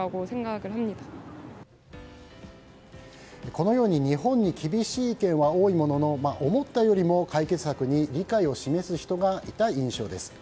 このように日本に厳しい意見は多いものの思ったよりも解決策に理解を示す人がいた印象です。